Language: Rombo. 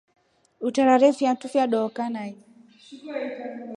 Utarare fiatu fya dookafo.